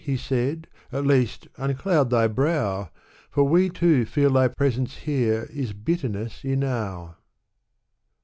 he said, "at least, un cloud thy brow ; For we, too, feel thy presence here is bitterness enow.